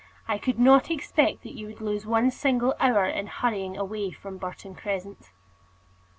I could not expect that you would lose one single hour in hurrying away from Burton Crescent."